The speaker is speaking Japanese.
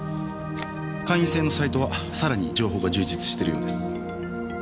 会員制のサイトはさらに情報が充実してるようです。